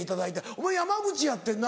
お前山口やってんな。